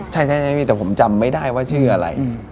ใช่ไม่มีแต่ผมจำไม่ได้ว่าชื่ออะไร